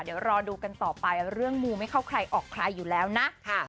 เดี๋ยวรอดูกันต่อไปเรื่องมูไม่เข้าใครออกใครอยู่แล้วนะ